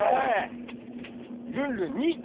ルンルン２！